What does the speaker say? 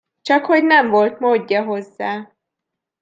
Csakhogy nem volt módja hozzá.